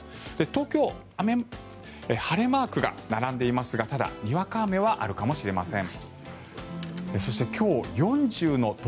東京晴れマークが並んでいますがただ、にわか雨はあるかもしれません。